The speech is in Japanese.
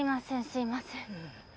すいません。